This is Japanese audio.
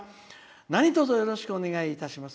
何とぞよろしくお願いいたします。